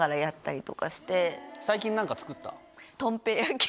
最近何か作った？